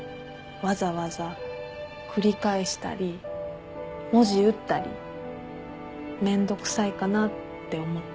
わざわざ繰り返したり文字打ったりめんどくさいかなって思って。